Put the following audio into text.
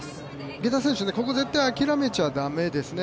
池田選手、ここ絶対諦めちゃ駄目ですね